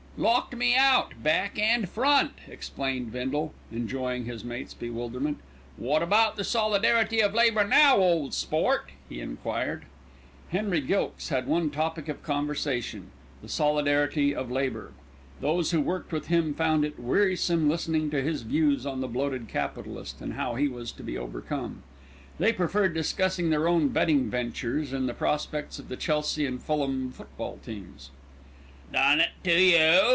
"Locked me out, back and front," explained Bindle, enjoying his mate's bewilderment. "Wot about the solidarity of labour now, ole sport?" he enquired. Henry Gilkes had one topic of conversation "the solidarity of labour." Those who worked with him found it wearisome listening to his views on the bloated capitalist, and how he was to be overcome. They preferred discussing their own betting ventures, and the prospects of the Chelsea and Fulham football teams. "Done it to you!"